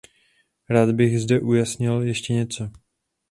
Rád bych zde ujasnil ještě něco.